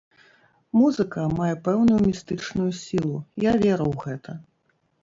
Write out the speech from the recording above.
Музыка мае пэўную містычную сілу, я веру ў гэта.